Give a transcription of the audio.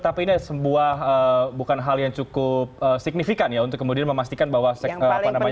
tapi ini bukan hal yang cukup signifikan ya untuk kemudian memastikan bahwa peta ini